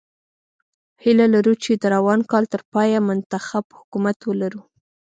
هیله لرو چې د روان کال تر پایه منتخب حکومت ولرو.